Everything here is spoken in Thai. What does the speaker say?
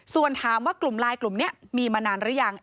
ส่วนถามว่ากลุ่มไลน์กลุ่มนี้มีมานานหรือยัง